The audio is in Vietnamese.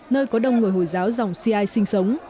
nơi có đông người hồi giáo dòng cia sinh sống